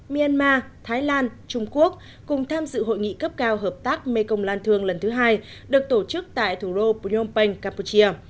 myanmar thái lan trung quốc cùng tham dự hội nghị cấp cao hợp tác mekong lan thương lần thứ hai được tổ chức tại thủ đô phnom penh campuchia